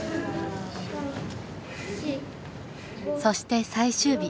そして最終日。